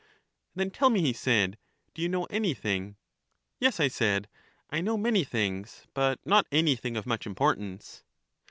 Then tell me, he said, do you know anything? Yes, I said, I know many things, but not anything of much importance.